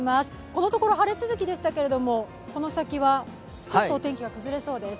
このところ、晴れ続きでしたけれども、この先ちょっとお天気が崩れそうです。